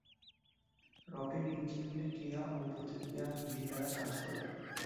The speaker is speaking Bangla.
রকেট ইঞ্জিনগুলি ক্রিয়া ও প্রতিক্রিয়া নীতি দ্বারা কাজ করে।